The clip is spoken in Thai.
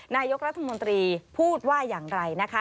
นายกรัฐมนตรีพูดว่าอย่างไรนะคะ